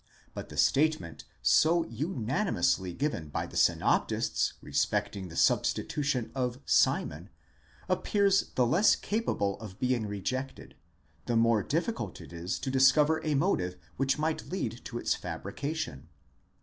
But the statement so unani mously given by the synoptists respecting the substitution of Simon appears the less capable of being rejected, the more difficult it is to discover ἃ motive which might lead to its fabrication.